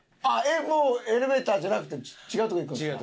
もうエレベーターじゃなくて違うとこ行くんですか！